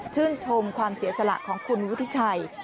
ชมความเสียสละของคุณวุฒิชัย